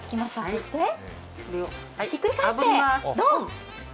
そしてひっくり返してどん。